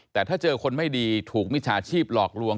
แต่ถ้าเจอคนไม่ดีถูกมิจฉาชีพหลอกลวง